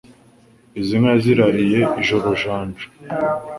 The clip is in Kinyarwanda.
Izi nka yazirariye ijoro Janja